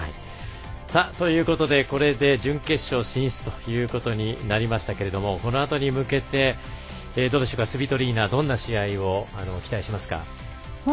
ということで、これで準決勝進出となりましたけれどもこのあとに向けてスビトリーナにはどんな試合を期待しますか？